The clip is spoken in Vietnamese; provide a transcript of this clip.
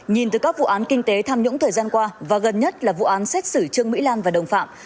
nhìn từ các vụ án kinh tế tham nhũng thời gian qua và gần nhất là vụ án xét xử trương mỹ lan và đồng phạm